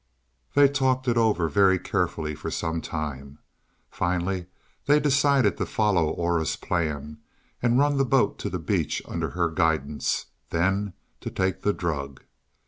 They talked it over very carefully for some time. Finally they decided to follow Aura's plan and run the boat to the beach under her guidance; then to take the drug.